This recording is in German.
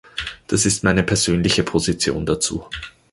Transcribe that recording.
Das ist meine persönliche Position dazu.